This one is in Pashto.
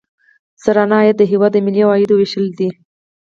سرانه عاید د هیواد د ملي عوایدو ویشل دي.